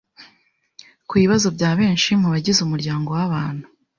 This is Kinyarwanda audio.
ku bibazo bya benshi mu bagize umuryango w’abantu